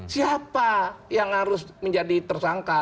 siapa yang harus menjadi tersangka